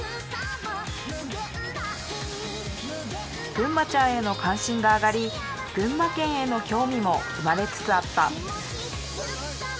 ぐんまちゃんへの関心が上がり群馬県への興味も生まれつつあった。